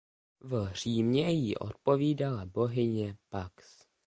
V Římě jí odpovídala bohyně Pax.